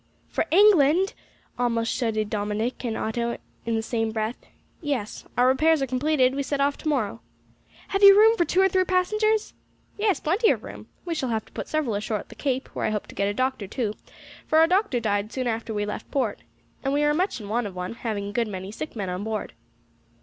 "For England?" almost shouted Dominick and Otto in the same breath. "Yes. Our repairs are completed, we set off to morrow." "Have you room for two or three passengers?" "Yes, plenty of room. We shall have to put several ashore at the Cape, where I hope to get a doctor, too, for our doctor died soon after we left port, and we are much in want of one, having a good many sick men on board."